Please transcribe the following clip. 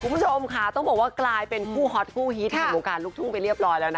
คุณผู้ชมกลายเป็นผู้ฮอตผู้ฮีดของโครงการลูกทุ้งไปเรียบร้อย